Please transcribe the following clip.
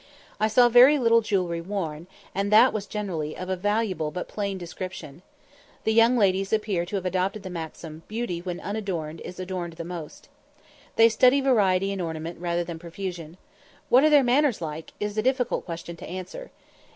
I saw very little jewellery worn, and that was generally of a valuable but plain description. The young ladies appear to have adopted the maxim, "Beauty when unadorned is adorned the most." They study variety in ornament rather than profusion. "What are their manners like?" is a difficult question to answer.